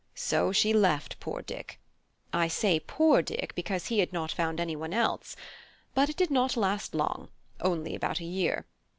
So she left poor Dick; I say poor Dick, because he had not found any one else. But it did not last long, only about a year.